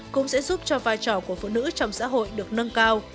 cũng sẽ giúp cho vai trò của phụ nữ trong xã hội được nâng cao